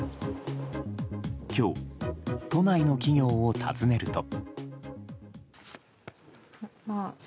今日、都内の企業を訪ねると。